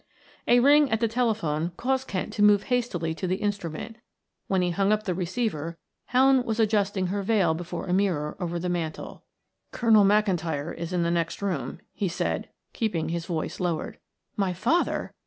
A ring at the telephone caused Kent to move hastily to the instrument; when he hung up the receiver Helen was adjusting her veil before a mirror over the mantel. "Colonel McIntyre is in the next room," he said, keeping his voice lowered. "My father!"